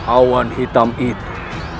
awan hitam itu